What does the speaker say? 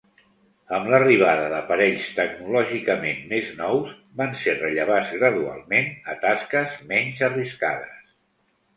Amb l'arribada d'aparells tecnològicament més nous, van ser rellevats gradualment a tasques menys arriscades.